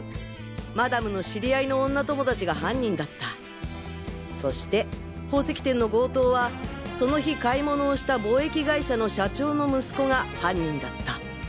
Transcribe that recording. マダムの知り合いの女友達が犯人だったそして宝石店の強盗はその日買い物をした貿易会社の社長の息子が犯人だった